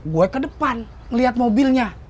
gue ke depan ngeliat mobilnya